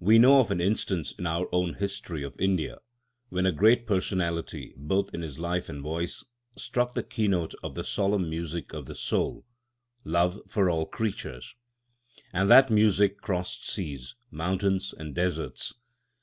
We know of an instance in our own history of India, when a great personality, both in his life and voice, struck the keynote of the solemn music of the soul—love for all creatures. And that music crossed seas, mountains, and deserts.